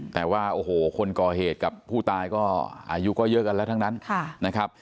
แต่ว่าโอ้โหคนก่อเหตุกับผู้ตายก็อายุก็เยอะกันแล้วทั้งนั้นนะครับ